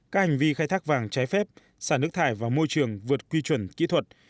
các hành vi khai thác vàng trái phép xả nước thải vào môi trường vượt quy chuẩn kỹ thuật